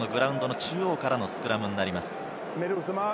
グラウンドの中央からのスクラムになります。